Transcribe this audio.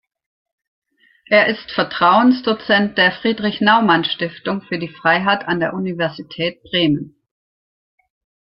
Er ist Vertrauensdozent der Friedrich-Naumann-Stiftung für die Freiheit an der Universität Bremen.